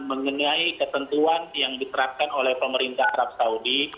mengenai ketentuan yang diterapkan oleh pemerintah arab saudi